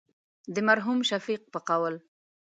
د مرحوم شفیق په قول.